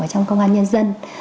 trong công an nhân dân